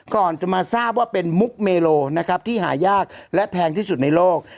ก่อนจะมาทราบว่าเป็นมุกเมโลนะครับที่หายากและแพงที่สุดในโลก